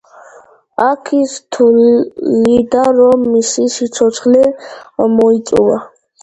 აქ ის თვლიდა, რომ მისი სიცოცხლე ამოიწურა.